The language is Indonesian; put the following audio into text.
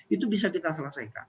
itu bisa kita selesaikan